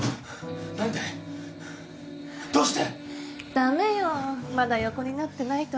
駄目よまだ横になってないと。